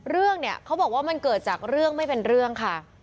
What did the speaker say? เรื่องเนี่ยเขาบอกว่ามันเกิดจากเรื่องไม่เป็นเรื่องค่ะ